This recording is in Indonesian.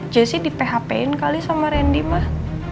jessy di php in kali sama randy mah